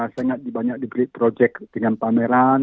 sangat banyak proyek dengan pameran